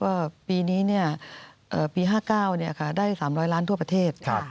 ปีนี้ปี๕๙ได้๓๐๐ล้านทั่วประเทศ